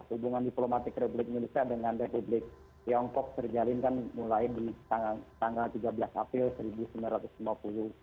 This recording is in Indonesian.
hubungan diplomatik republik indonesia dengan republik tiongkok terjalin kan mulai di tanggal tiga belas april seribu sembilan ratus lima puluh